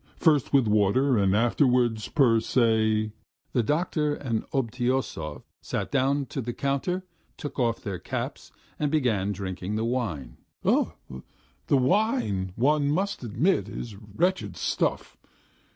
First with water and afterwards per se. ..." The doctor and Obtyosov sat down to the counter, took off their caps, and began drinking the wine. "The wine, one must admit, is wretched stuff!